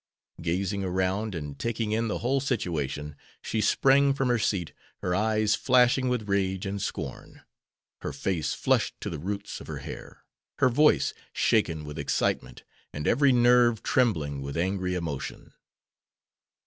Gazing around and taking in the whole situation, she sprang from her seat, her eyes flashing with rage and scorn, her face flushed to the roots of her hair, her voice shaken with excitement, and every nerve trembling with angry emotion.